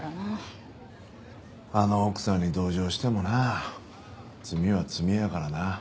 あの奥さんに同情してもな罪は罪やからな。